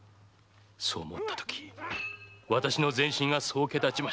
そう思ったとき私の全身が総毛立ちました。